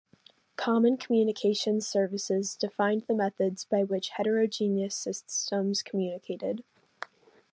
Common Communications Services defined the methods by which hetrogeneous systems communicated.